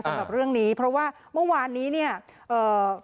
สำหรับเรื่องนี้เพราะว่าเมื่อวานนี้เนี่ยเอ่อ